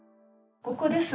ここです。